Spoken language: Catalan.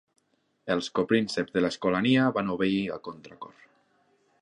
Els coprínceps de l'Escolania van obeir a contracor.